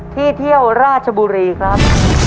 เที่ยวราชบุรีครับ